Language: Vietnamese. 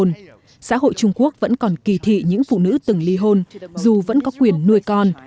nhưng xã hội trung quốc vẫn còn kỳ thị những phụ nữ từng ly hôn dù vẫn có quyền nuôi con